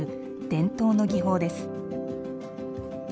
伝統の技法です。